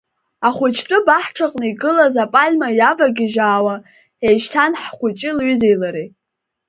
Ахәыҷтәы баҳчаҟны игылаз апальма иавагьежьаауа еишьҭан ҳхәыҷы лҩызеи лареи.